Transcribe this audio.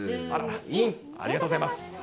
ありがとうございます。